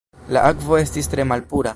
La akvo estis tre malpura.